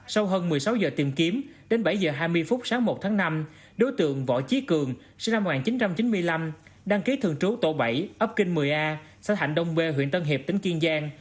sau hơn một mươi sáu giờ tìm kiếm đến bảy giờ hai mươi phút sáng một tháng năm đối tượng võ chí cường sinh năm một nghìn chín trăm chín mươi năm đăng ký thường trú tổ bảy ấp kinh một mươi a xã thạnh đông bê huyện tân hiệp tỉnh kiên giang